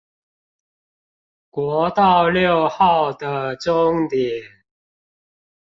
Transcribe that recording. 國道六號的終點